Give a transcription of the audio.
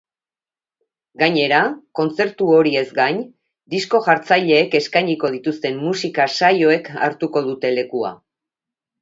Gainera, kontzertu horiez gain, disko-jartzaileek eskainiko dituzten musika-saioek hartuko dute lekua.